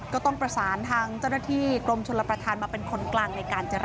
ก็ต้องประสานทางเจ้าหน้าที่กรมชลประธานมาเป็นคนกลางในการเจรจา